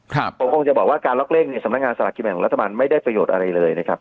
ผมคงจะบอกว่าการล็อกเร่งเนี่ยสำนักงานสลากกินแบ่งของรัฐบาลไม่ได้ประโยชน์อะไรเลยนะครับ